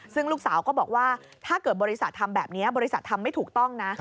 ซึ่งลูกสาวก็บอกว่าถ้าเกิดบริษัททำแบบนี้บริษัททำไม่ถูกต้องนะ